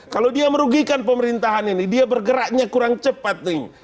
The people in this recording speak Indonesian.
kalau dia merugikan pemerintahan ini dia bergeraknya kurang cepat nih